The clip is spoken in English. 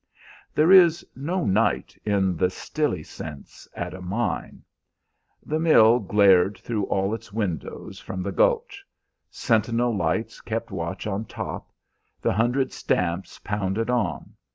There is no night in the "stilly" sense at a mine. The mill glared through all its windows from the gulch. Sentinel lights kept watch on top. The hundred stamps pounded on.